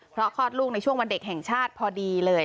เพราะคลอดลูกในช่วงวันเด็กแห่งชาติพอดีเลย